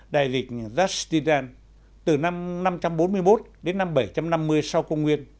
đại dịch zasthydan từ năm năm trăm bốn mươi một đến năm bảy trăm năm mươi sau công nguyên